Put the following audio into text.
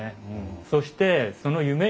そしてそのあっ！